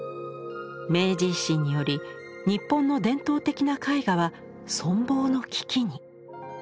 明治維新により日本の伝統的な絵画は存亡の危機に。